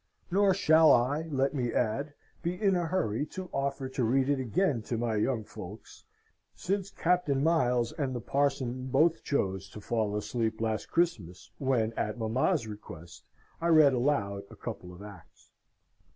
Nor shall I, let me add, be in a hurry to offer to read it again to my young folks, since Captain Miles and the parson both chose to fall asleep last Christmas, when, at mamma's request, I read aloud a couple of acts.